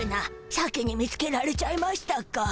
先に見つけられちゃいましたか。